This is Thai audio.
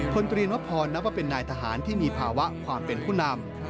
พลตรีนพรนับว่าเป็นนายทหารที่มีภาวะความเป็นผู้นำ